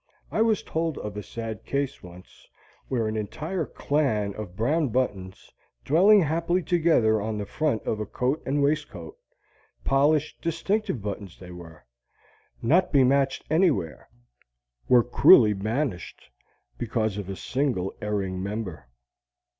I was told of a sad case, once, where an entire clan of brown buttons, dwelling happily together on the front of a coat and waistcoat polished, distinctive buttons they were, not be matched anywhere were cruelly banished, because of a single erring member.